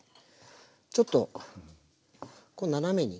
ちょっとこう斜めに。